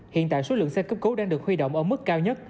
hiện tại số lượng xe cấp cứu đang được huy động ở mức cao nhất